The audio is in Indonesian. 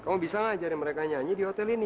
oh bisa ngajarin mereka nyanyi di hotel ini